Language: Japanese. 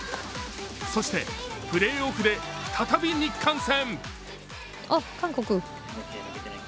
そしてプレーオフで再び日韓戦。